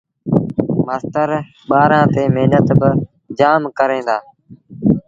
مآستر ٻآرآݩ تي مهنت با جآم ڪريݩ دآ